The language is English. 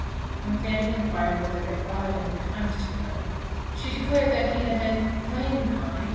When Fanny inquired whether their father had been kind to her, she declared that he had been "main kind."